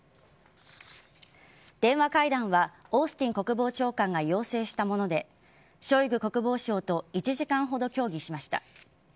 電話会談はオースティン国防長官が要請したものでショイグ国防相と１時間ほど協議しました。